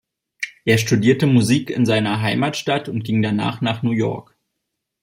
Er studierte Musik in seiner Heimatstadt und ging danach nach New York.